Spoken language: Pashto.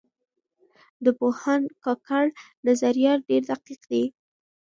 د پوهاند کاکړ نظریات ډېر دقیق دي.